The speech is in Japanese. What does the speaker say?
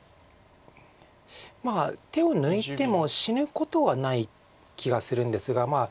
まあ手を抜いても死ぬことはない気がするんですがまあ。